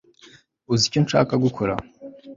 uzi icyo nshaka gukora